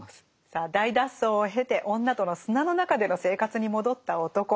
さあ大脱走を経て女との砂の中での生活に戻った男。